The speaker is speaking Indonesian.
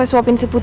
dia udah bercepat